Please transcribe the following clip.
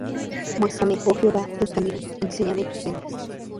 Muéstrame, oh Jehová, tus caminos; Enséñame tus sendas.